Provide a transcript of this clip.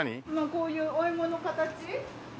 こういうお芋の形。